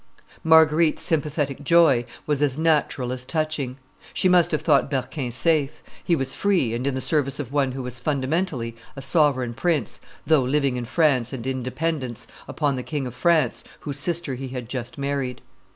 Marguerite's sympathetic joy was as natural as touching; she must have thought Berquin safe; he was free and in the service of one who was fundamentally a sovereign prince, though living in France and in dependence upon the King of France, whose sister he had just married.